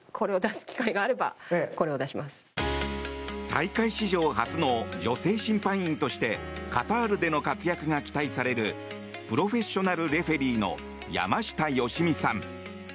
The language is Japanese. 大会史上初の女性審判員としてカタールでの活躍が期待されるプロフェッショナルレフェリーの山下良美さん。